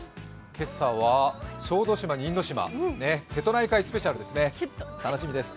今朝は小豆島に因島、瀬戸内海スペシャルですね、楽しみです。